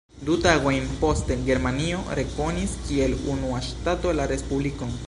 Du tagojn poste Germanio rekonis kiel unua ŝtato la Respublikon.